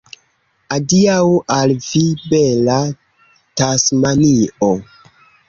Adiaŭ al vi, bela Tasmanio!